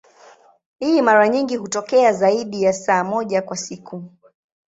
Hii mara nyingi hutokea zaidi ya saa moja kwa siku.